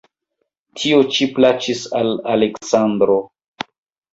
Tio ĉi plaĉis al Aleksandro.